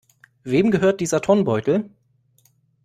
Wem gehört dieser Turnbeutel?